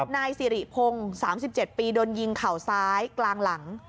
นายสิริพงศ์๓๗ปีโดนยิงเข่าซ้ายกลางหลัง